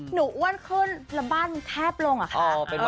หนูอ้วนขึ้นและบ้านแคบลงอะคะ